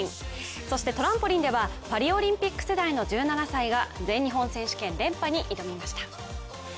そしてトランポリンではパリオリンピック世代の１７歳が全日本選手権連覇に挑みました。